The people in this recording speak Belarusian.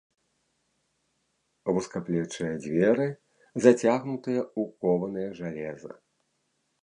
Вузкаплечыя дзверы зацягнутыя ў кованае жалеза.